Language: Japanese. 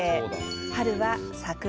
春は桜。